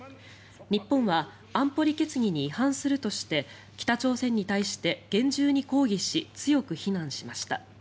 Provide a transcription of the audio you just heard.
日本は安保理決議に違反するとして北朝鮮に対して厳重に抗議し強く非難しました。